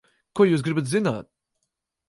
Ko jūs gribat zināt?